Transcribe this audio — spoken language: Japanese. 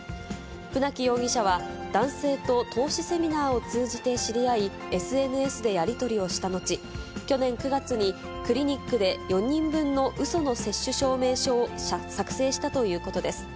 船木容疑者は男性と投資セミナーを通じて知り合い、ＳＮＳでやり取りをした後、去年９月にクリニックで４人分のうその接種証明書を作成したということです。